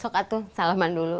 sokatu salaman dulu